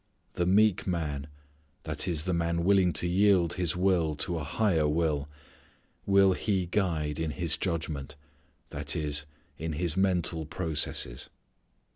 The meek man that is the man willing to yield his will to a higher will will He guide in his judgment, that is, in his mental processes.